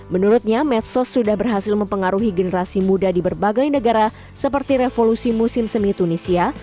menurutnya medsos sudah berhasil mempengaruhi generasi muda di berbagai negara seperti revolusi musim semi tunisia